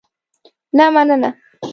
نه مننه.